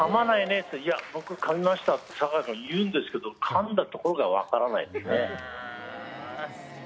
って、「いや、僕かみました」って言うんですけどかんだところが分からないですね。